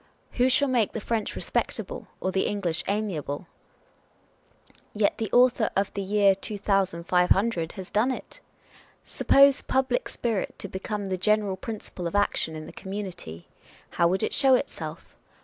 W ho shall make the French respectable, or the English amiable ? Yet the Author of The Year 2500 l has done it ! Suppose public spirit to become the general principle of action in the community â€" how would it show itself?